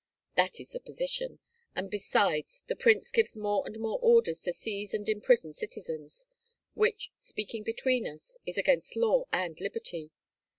That is the position. And, besides, the prince gives more and more orders to seize and imprison citizens, which, speaking between us, is against law and liberty.